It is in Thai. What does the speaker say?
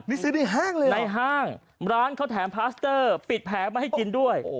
นี่ซื้อได้ห้างเลยนะในห้างร้านเขาแถมพาสเตอร์ปิดแผงมาให้กินด้วย